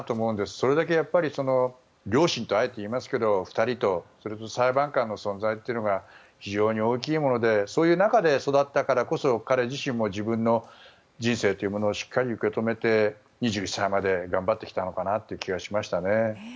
それだけ両親とあえて言いますけど２人と裁判官の存在が非常に大きいものでそういう中で育ったからこそ彼自身も自分の人生をしっかり受け止めて、２１歳まで頑張ってきたのかなという気がしますね。